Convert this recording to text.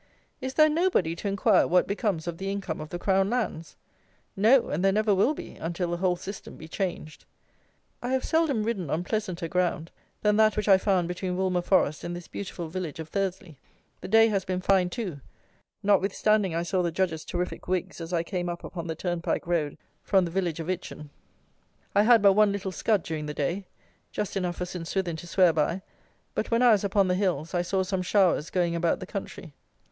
Is there nobody to inquire what becomes of the income of the Crown lands? No, and there never will be, until the whole system be changed. I have seldom ridden on pleasanter ground than that which I found between Woolmer Forest and this beautiful village of Thursley. The day has been fine, too; notwithstanding I saw the Judges' terrific wigs as I came up upon the turnpike road from the village of Itchen. I had but one little scud during the day: just enough for St. Swithin to swear by; but when I was upon the hills I saw some showers going about the country.